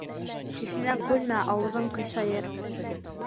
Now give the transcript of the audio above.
Кешенән көлмә, ауыҙың ҡыйшайыр.